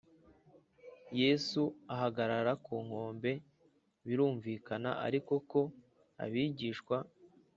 Yesu ahagarara ku nkombe birumvikana ariko ko abigishwa